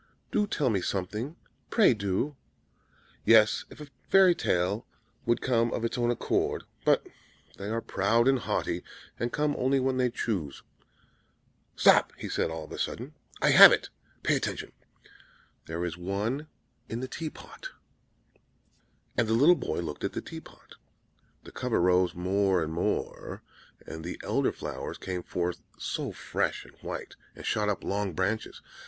"Do tell me something! Pray do!" "Yes, if a fairy tale would come of its own accord; but they are proud and haughty, and come only when they choose. Stop!" said he, all on a sudden. "I have it! Pay attention! There is one in the tea pot!" And the little boy looked at the tea pot. The cover rose more and more; and the Elder flowers came forth so fresh and white, and shot up long branches.